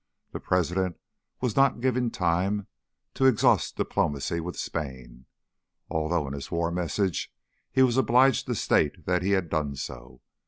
The President was not given time to exhaust diplomacy with Spain, although in his War Message he was obliged to state that he had done so.